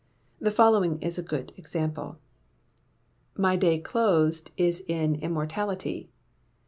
The following is a good example: My Day Closed Is In Immortality.